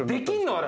あれ。